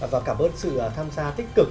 và cảm ơn sự tham gia tích cực